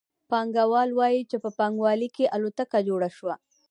پانګوال وايي چې په پانګوالي کې الوتکه جوړه شوه